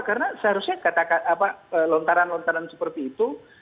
karena seharusnya lontaran lontaran seperti itu